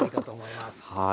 はい。